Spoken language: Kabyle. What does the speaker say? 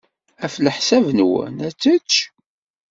Ɣef leḥsab-nwen, ad tečč?